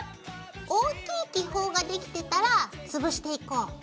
大きい気泡ができてたら潰していこう。